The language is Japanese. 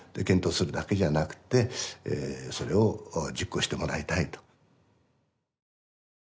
検討するだけじゃなくてそれを実行してもらいたいと。